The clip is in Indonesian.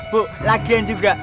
bu lagian juga